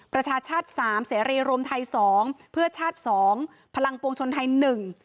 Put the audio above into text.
ประชาชาติ๓เสรียรมไทย๒เพื่อชาติ๒พลังปวงชนไทย๑